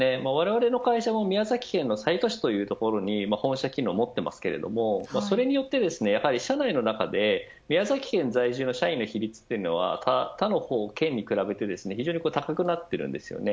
われわれの会社も宮崎県の西都市というところに本社機能を持っていますがそれによって社内の中で宮崎県在住の社員の比率は他県に比べて非常に高くなっています。